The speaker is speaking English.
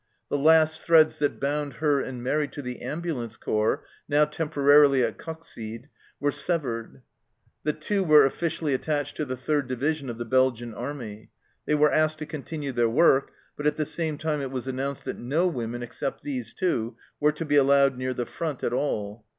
The last threads that bound her and Mairi to the ambulance corps, now temporarily at Coxyde, were severed. The Two were officially attached to the Third Division of the Belgian Army. They were asked to continue their work, but at the same time it was announced that no women except these two were to be allowed near the front at all.